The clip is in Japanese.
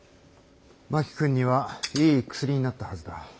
真木君にはいい薬になったはずだ。